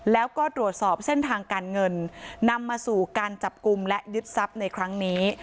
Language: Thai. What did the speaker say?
แล้วก็ตรวจสอบเส้นทางการเงินนำมาสู่การจับกลุ่มและยึดทรัพย์ในครั้งนี้